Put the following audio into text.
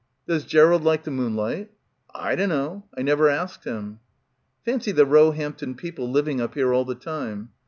"Does Gerald like the moonlight?" "I dunno. I never asked him." "Fancy the Roehampton people living up here all the time."